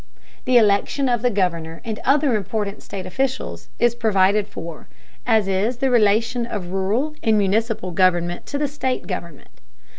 The election of the Governor and other important state officials is provided for, as is the relation of rural and municipal government to the state government.